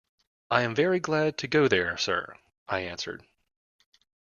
"I am very glad to go there, sir," I answered.